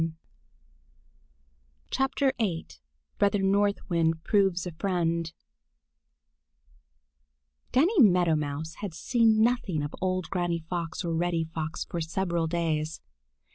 VIII BROTHER NORTH WIND PROVES A FRIEND DANNY MEADOW MOUSE had seen nothing of old Granny Fox or Reddy Fox for several days.